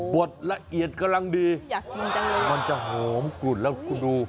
ดละเอียดกำลังดีอยากกินจังเลยมันจะหอมกลุ่นแล้วคุณดู